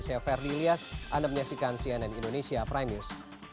saya ferdilias anda menyaksikan cnn indonesia prime news